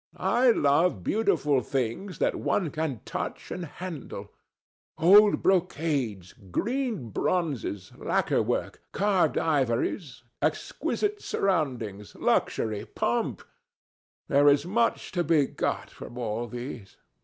I love beautiful things that one can touch and handle. Old brocades, green bronzes, lacquer work, carved ivories, exquisite surroundings, luxury, pomp—there is much to be got from all these.